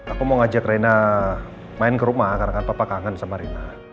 aku mau ngajak reina main ke rumah karena kan papa kangen sama rina